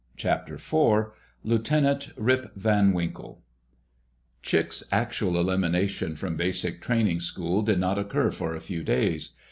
CHAPTER FOUR LIEUTENANT RIP VAN WINKLE Chick's actual elimination from basic training school did not occur for a few days.